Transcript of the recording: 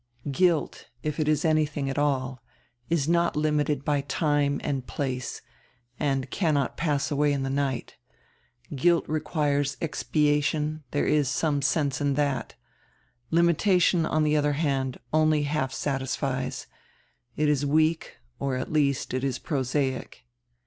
"Guilt, if it is anything at all, is not limited by time and place and cannot pass away in a night. Guilt requires expiation; diere is some sense in diat. Limitation, on die odier hand, only half satisfies; it is weak, or at least it is prosaic."